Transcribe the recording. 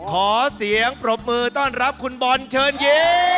ขอเสียงปรบมือต้อนรับคุณบอลเชิญยิ้ม